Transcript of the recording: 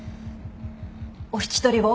お引き取りを。